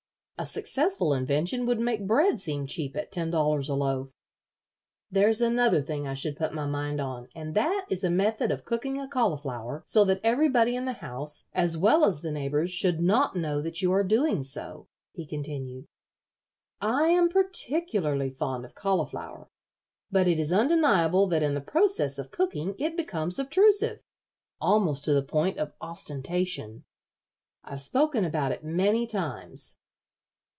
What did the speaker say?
A successful invention would make bread seem cheap at ten dollars a loaf. There's another thing I should put my mind on, and that is a method of cooking a cauliflower so that everybody in the house, as well as the neighbors, should not know that you are doing so," he continued. "I am particularly fond of cauliflower, but it is undeniable that in the process of cooking it becomes obtrusive, almost to the point of ostentation. I've spoken about it many times.